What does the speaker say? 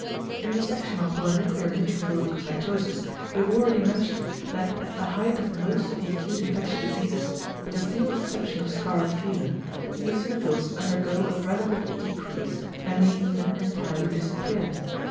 In the section on polynuclear neutrophil leucocytosis we have already mentioned that at the height of most of the acute infectious diseases, with the single exception of scarlet fever, the eosinophils undergo a relative decrease and may even entirely disappear.